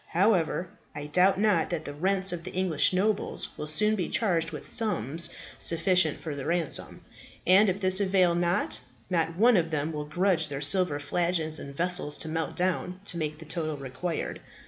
However, I doubt not that the rents of the English nobles will soon be charged with sums sufficient for the ransom; and if this avail not, not one of them will grudge their silver flagons and vessels to melt down to make the total required.